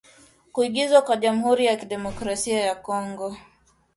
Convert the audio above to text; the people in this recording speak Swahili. kuingizwa kwa Jamhuri ya Kidemokrasi ya Kongo